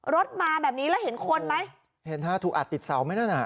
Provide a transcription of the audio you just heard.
รถมาแบบนี้แล้วเห็นคนไหมเห็นฮะถูกอัดติดเสาไหมนั่นอ่ะ